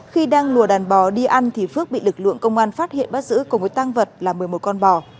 khi đang lùa đàn bò đi ăn thì phước bị lực lượng công an phát hiện bắt giữ cùng với tăng vật là một mươi một con bò